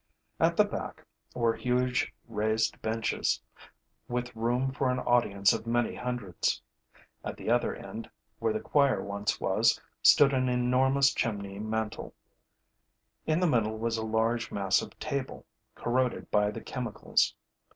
At the back were huge raised benches, with room for an audience of many hundreds; at the other end, where the choir once was, stood an enormous chimney mantel; in the middle was a large, massive table, corroded by the chemicals.